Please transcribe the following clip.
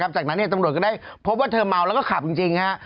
จากนั้นตำรวจก็ได้พบว่าเธอเมาแล้วก็ขับจริงฮะ